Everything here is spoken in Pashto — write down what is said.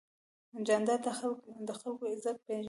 جانداد د خلکو عزت پېژني.